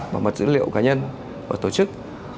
và mật dữ liệu cá nhân và tổ chức